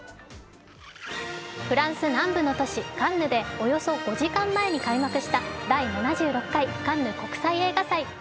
フランス南部の都市、カンヌでおよそ５時間前に開幕した第７６回カンヌ国際映画祭。